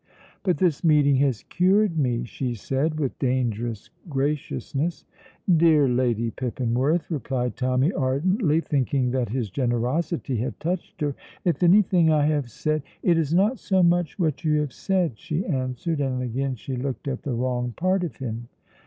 "But this meeting has cured me," she said, with dangerous graciousness. "Dear Lady Pippinworth," replied Tommy, ardently, thinking that his generosity had touched her, "if anything I have said " "It is not so much what you have said," she answered, and again she looked at the wrong part of him.